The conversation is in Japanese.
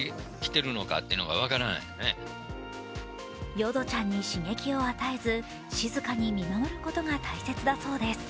ヨドちゃんに刺激を与えず、静かに見守ることが大切だそうです。